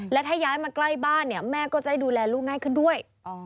และถ้าย้ายมาใกล้บ้านเนี่ยแม่ก็จะได้ดูแลลูกง่ายขึ้นด้วย